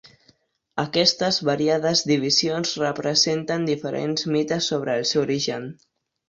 Aquestes variades divisions representen diferents mites sobre el seu origen.